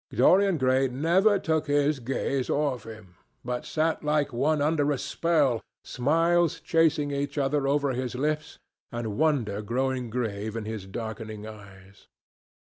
Dorian Gray never took his gaze off him, but sat like one under a spell, smiles chasing each other over his lips and wonder growing grave in his darkening eyes.